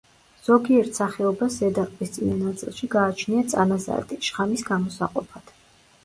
ზოგიერთ სახეობას ზედა ყბის წინა ნაწილში გააჩნია წანაზარდი, შხამის გამოსაყოფად.